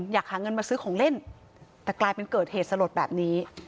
อยากหาเงินมาซื้อของเล่นแต่กลายเป็นเกิดเหตุสลดแบบนี้